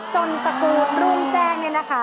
ตระกูลรุ่งแจ้งเนี่ยนะคะ